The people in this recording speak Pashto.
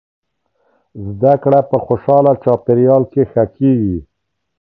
زده کړه په خوشحاله چاپیریال کې ښه کیږي.